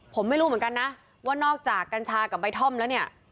ผมไม่รู้เหมือนกันนะว่านอกจากกัญชากับใบท่อมแล้วเนี่ย